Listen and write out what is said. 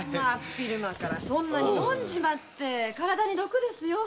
昼間からそんなに飲んでは体に毒ですよ。